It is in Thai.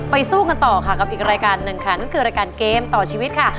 สู้กันต่อค่ะกับอีกรายการหนึ่งค่ะนั่นคือรายการเกมต่อชีวิตค่ะ